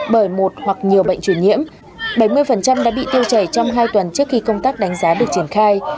bởi một hoặc nhiều bệnh truyền nhiễm bảy mươi đã bị tiêu chảy trong hai tuần trước khi công tác đánh giá được triển khai